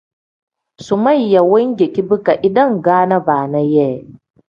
Sumeeya wengeki bika idangaana baana yee.